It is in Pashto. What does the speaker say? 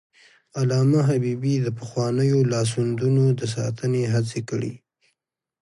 علامه حبيبي د پخوانیو لاسوندونو د ساتنې هڅې کړي.